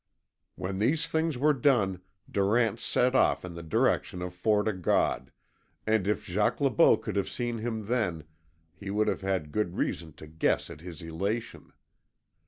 When these things were done Durant set off in the direction of Fort O' God, and if Jacques Le Beau could have seen him then he would have had good reason to guess at his elation.